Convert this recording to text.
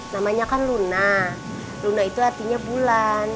nama aku kan luna